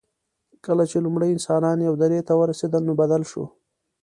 کله چې لومړي انسانان یوې درې ته ورسېدل، نو بدل شو.